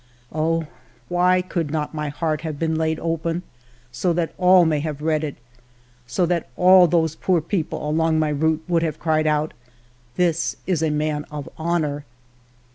Oh, why could not my heart have been laid open so that all may have read it, — so that all those poor people along my route would have cried out, ' This is a man of honor